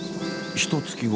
ひとつき後。